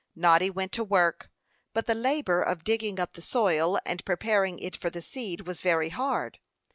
Noddy went to work; but the labor of digging up the soil, and preparing it for the seed, was very hard.